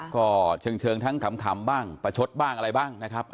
ก็เชิงทั้งขำบ้างประชดบ้างอะไรบ้างนะครับ